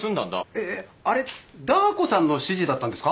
えあれダー子さんの指示だったんですか？